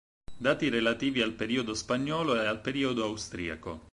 Dati relativi al periodo spagnolo e al periodo austriaco.